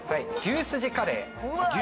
牛すじカレー。